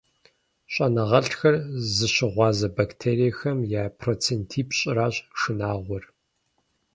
Щӏэныгъэлӏхэр зыщыгъуазэ бактериехэм я процентипщӏыращ шынагъуэр.